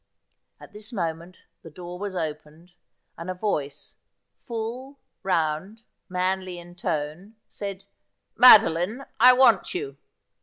At this moment the door was opened, and a voice, full, round, manly in tone, said :' Madeline, I want you.'